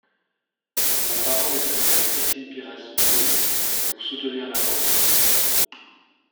La parole est à Madame Christine Pires Beaune, pour soutenir l’amendement.